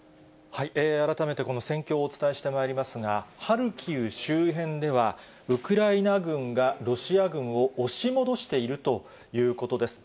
改めてこの戦況をお伝えしてまいりますが、ハルキウ周辺では、ウクライナ軍がロシア軍を押し戻しているということです。